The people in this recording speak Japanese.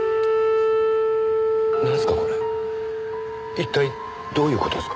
一体どういう事ですか？